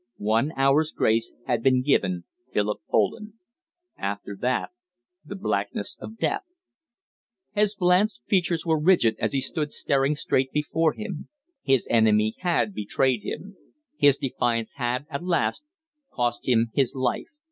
One hour's grace had been given Philip Poland. After that, the blackness of death. His blanched features were rigid as he stood staring straight before him. His enemy had betrayed him. His defiance had, alas! cost him his life.